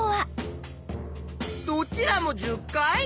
どちらも１０回？